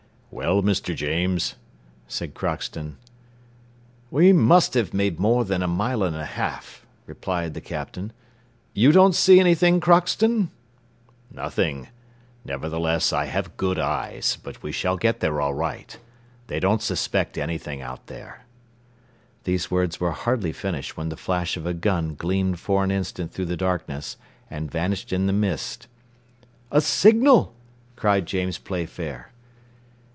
"Well, Mr. James?" said Crockston. "We must have made more than a mile and a half," replied the Captain. "You don't see anything, Crockston?" "Nothing; nevertheless, I have good eyes; but we shall get there all right. They don't suspect anything out there." These words were hardly finished when the flash of a gun gleamed for an instant through the darkness, and vanished in the mist. "A signal!" cried James Playfair.